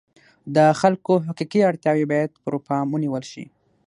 د خلکو حقیقي اړتیاوې باید پر پام ونیول شي.